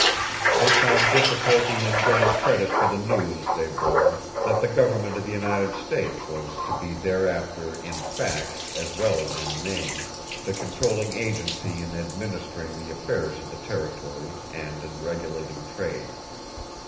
They found difficulty in getting credit for the news they bore that the government of the United States was to be thereafter in fact as well as in name the controlling agency in administering the affairs of the territory and in regulating trade.